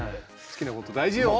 好きなこと大事よ。